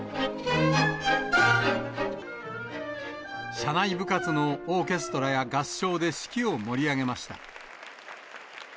社内部活のオーケストラや合唱で式を盛り上げました。